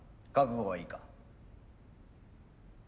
覚悟はいいか？